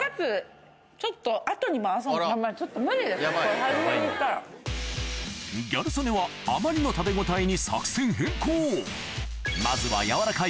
すごい。に到達ギャル曽根はあまりの食べ応えに作戦変更